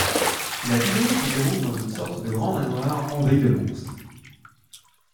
La vidéo se déroule dans une sorte de grand manoir envahi de monstres.